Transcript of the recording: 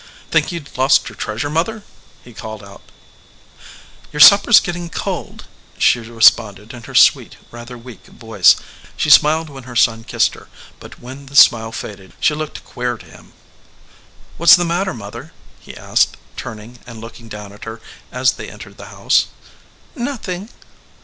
"Think you d lost your treasure, mother?" he called out. "Your supper s getting cold," she responded in her sweet, rather weak voice. She smiled when her son kissed her, but when the smile faded she looked queer to him. "What s the matter, mother?" he asked, turn ing and looking down at her as they entered the house. "Nothing."